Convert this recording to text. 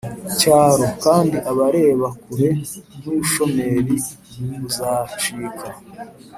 cyaro. kandi abareba kure n’ubushomeri buzacika.